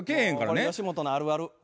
これ吉本のあるある。